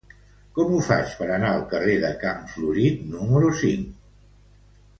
Com ho faig per anar al carrer de Campo Florido número cinc?